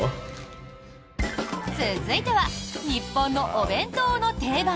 続いては日本のお弁当の定番。